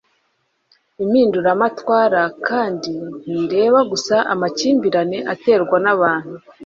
impinduramatwara kandi ntireba gusa amakimbirane aterwa n'abantu